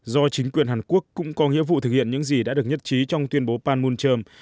do chính quyền hàn quốc cũng có nghĩa vụ thực hiện những gì đã được nhất trí trong tuyên bố panmunjom